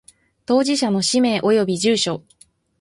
当事者の氏名及び住所